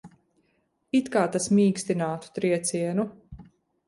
It kā tas mīkstinātu triecienu.